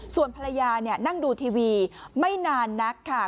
ส่วนภรรยานั่งดูทีวีไม่นานนักค่ะ